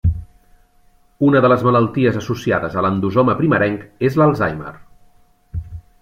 Una de les malalties associades a l'endosoma primerenc és l'Alzheimer.